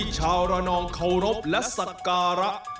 ชาวระนองเคารพและศักระ